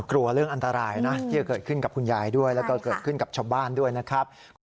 เรื่องอันตรายนะที่จะเกิดขึ้นกับคุณยายด้วยแล้วก็เกิดขึ้นกับชาวบ้านด้วยนะครับ